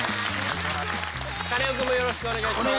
カネオくんもよろしくお願いします。